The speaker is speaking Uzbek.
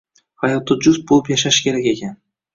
Hayotda juft bo‘lib yashash kerak ekan